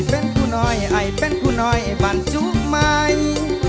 ไอ้เป็นผู้น้อยไอ้เป็นผู้น้อยบ้านจุไมค์